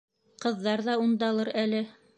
Ҡыҙҙар ҙа ундалыр әле.